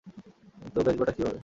কিন্তু বেচবোটা কিভাবে?